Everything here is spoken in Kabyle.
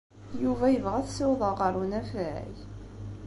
Yuba yebɣa ad t-ssiwḍeɣ ɣer unafag?